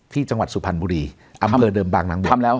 จังหวัดสุพรรณบุรีอำเภอเดิมบางนางบวชทำแล้ว